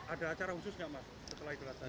ada acara khusus nggak mas setelah idul adha